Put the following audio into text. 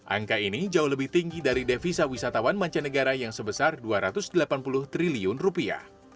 angka ini jauh lebih tinggi dari devisa wisatawan mancanegara yang sebesar dua ratus delapan puluh triliun rupiah